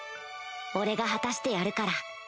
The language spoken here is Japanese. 俺が果たしてやるから。